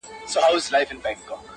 • که خندا ده که ژړا ده په ریا ده -